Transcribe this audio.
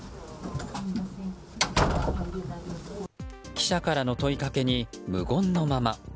記者からの問いかけに無言のまま。